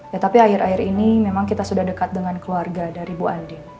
ya tapi akhir akhir ini memang kita sudah dekat dengan keluarga dari bu andi